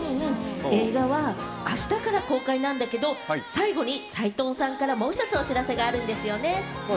映画は明日から公開なんだけれども、最後に齊藤さんからもう１つお知らせがあるんですよね。